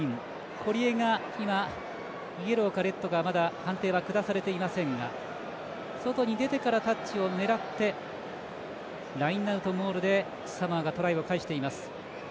堀江が今、イエローかレッドかまだ判定はくだされていませんが外に出てからタッチを狙ってラインアウトモールでサモアがトライを返しています。